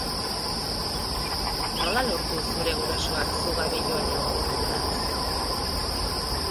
Nola lortu zure gurasoak zu gabe joatea oporretara?